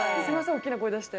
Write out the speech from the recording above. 大っきな声出して。